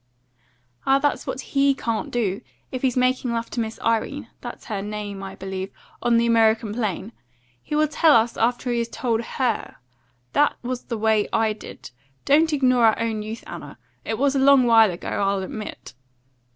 "Ah, that's what HE can't do, if he's making love to Miss Irene that's her name, I believe on the American plan. He will tell us after he has told HER. That was the way I did. Don't ignore our own youth, Anna. It was a long while ago, I'll admit."